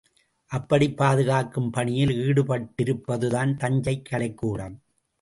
அப்படிப் பாதுகாக்கும் பணியில் ஈடுபட்டிருப்பதுதான் தஞ்சை கலைக்கூடம்.